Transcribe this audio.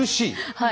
はい。